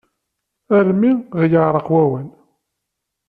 Armi ɣ-yeɛreq wawal.